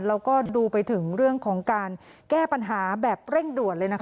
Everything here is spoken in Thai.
แล้วก็ดูไปถึงเรื่องของการแก้ปัญหาแบบเร่งด่วนเลยนะคะ